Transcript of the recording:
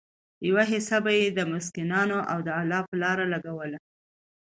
يوه حيصه به ئي د مسکينانو او د الله په لاره لګوله